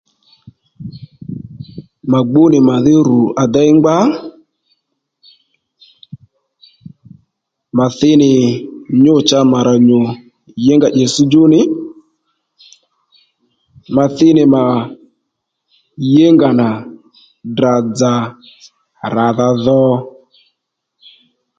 Mà gbú nì màdhí ru à déy ngbá mà thi nì nyû cha mà nyù yěnga itssdjú nì mà thi nì mà yěnga nà Ddrà dzà ràdha dho